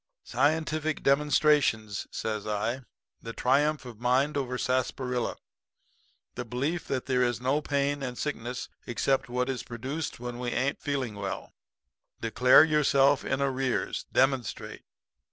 "'Scientific demonstrations,' says I. 'The triumph of mind over sarsaparilla. The belief that there is no pain and sickness except what is produced when we ain't feeling well. Declare yourself in arrears. Demonstrate.'